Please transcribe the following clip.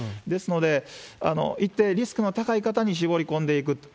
ですので、一定リスクの高い方に絞り込んでいく。